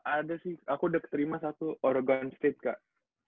ada sih aku udah keterima satu oregon state kak